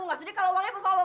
gak silahkan lagi siaran